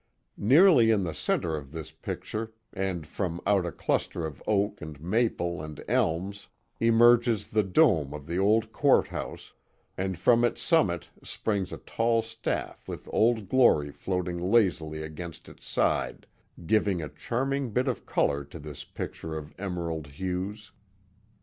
Nearly in the centre of this picture and from out a cluster , of oak and maple and elms emerges the dome of the old court house, and from its summit springs a tall staff with Old Glory floating lazily against its side, giving a chaiming bit of color to this picture of emerald hues.